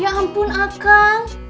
ya ampun akang